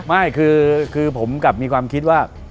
ไม่คือผมกลับมีความคิดว่า